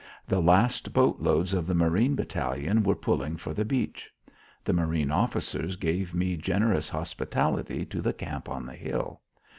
The last boatloads of the marine battalion were pulling for the beach. The marine officers gave me generous hospitality to the camp on the hill.